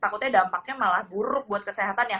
takutnya dampaknya malah buruk buat kesehatan ya